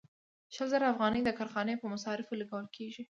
شل زره افغانۍ د کارخانې په مصارفو لګول کېږي